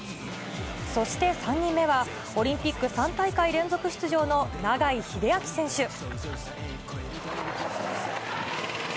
そして３人目は、オリンピック３大会連続出場の永井秀昭選手。